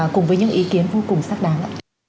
cùng với những ý kiến vô cùng xác đáng